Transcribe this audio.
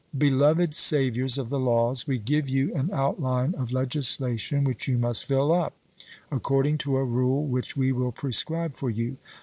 Beloved saviours of the laws, we give you an outline of legislation which you must fill up, according to a rule which we will prescribe for you.